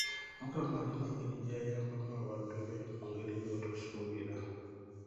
Mukama alina engeri gy'ayambamu abaddu be mu ngeri gy'otosuubira.